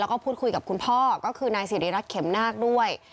แล้วก็พูดคุยกับคุณพ่อก็คือนายสิริรัตนเข็มนาคด้วย